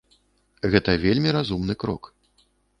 Гэта вельмі разумны крок.